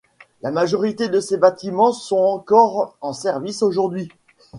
La majorité de ces bâtiments sont encore en service aujourd'hui.